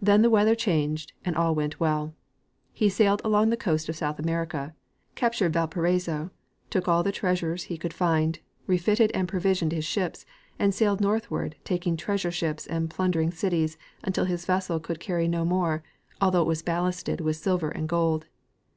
Then the weather changed and all went well. He sailed along the coast of South America, captured Valparaiso, took all the treasures he could find, refitted and provisioned his ships, and sailed northward, taking treasure ships and plunder ing cities until his vessel could carry no more, although it Avas ballasted with silver and gold.